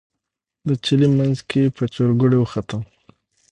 د چلې منځ کې په چورګوړي وختم.